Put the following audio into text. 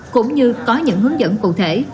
cũng như có những hướng dẫn cụ thể